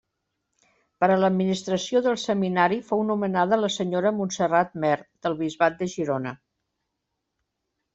Per a l'administració del seminari fou nomenada la senyora Montserrat Mer, del bisbat de Girona.